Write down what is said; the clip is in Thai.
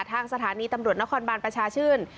ทางสถานีตำรวจนครบานประชาชื่น